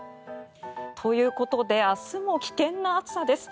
ということで明日も危険な暑さです。